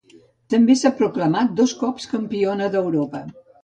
També s'ha proclamat dos cops campiona d'Europa.